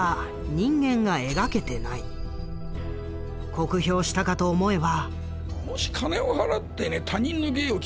酷評したかと思えば。